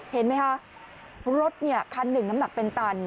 เห็นไหมคะรถคันหนึ่งน้ำหนักเป็นตัน